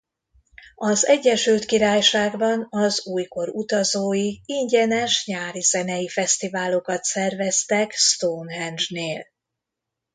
Az Egyesült Királyságban az Új Kor Utazói ingyenes nyári zenei fesztiválokat szerveztek Stonehenge-nél.